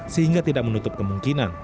sehingga tidak menutup kemungkinan